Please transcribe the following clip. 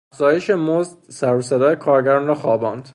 افزایش مزد سروصدای کارگران را خواباند.